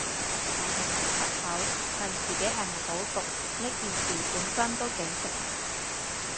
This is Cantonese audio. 但係問出口，問自己係咪好毒，呢件事本身都幾毒